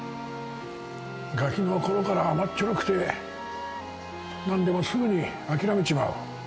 がきのころから甘っちょろくて何でもすぐに諦めちまう